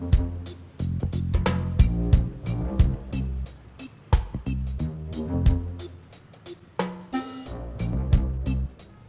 boleh ikut duduk